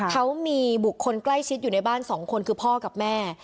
เขามีบุคคลใกล้ชิดอยู่ในบ้าน๒คนคือพ่อกับแม่